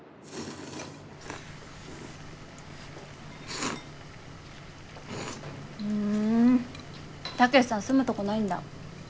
ふんタケシさん住むとこないんだ。